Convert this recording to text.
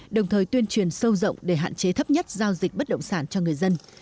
đồng thời tuyên truyền sâu rộng để hạn chế thấp nhất giao dịch bất động sản cho người dân